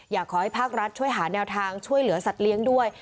อยากให้ภาครัฐช่วยหาแนวทางช่วยเหลือสัตว์เลี้ยงด้วย